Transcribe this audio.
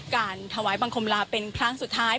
การถวายบังคมลาเป็นครั้งสุดท้าย